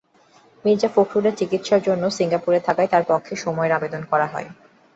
মির্জা ফখরুল চিকিৎসার জন্য সিঙ্গাপুরে থাকায় তাঁর পক্ষে সময়ের আবেদন করা হয়।